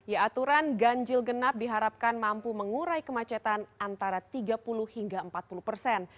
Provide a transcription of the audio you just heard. ya aturan ganjil genap diharapkan mampu mengurai kemacetan antara tiga puluh hingga empat puluh persen